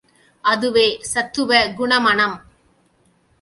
அதுவே சத்துவ குணமணம்.